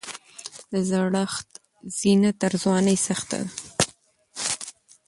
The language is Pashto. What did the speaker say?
د زړښت زینه تر ځوانۍ سخته ده.